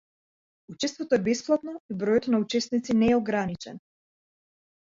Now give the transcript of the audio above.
Учеството е бесплатно и бројот на учесници не е ограничен.